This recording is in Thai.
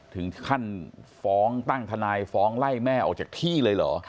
ถึงขั้นฟ้องตั้งทนายฟ้องไล่แม่ออกจากที่เลยเหรอ